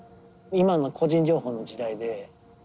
今の個人情報の時代で。